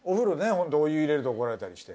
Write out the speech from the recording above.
ホントお湯入れると怒られたりして。